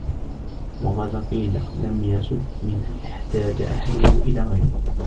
وَقَدْ قِيلَ لَمْ يَسُدْ مَنْ احْتَاجَ أَهْلُهُ إلَى غَيْرِهِ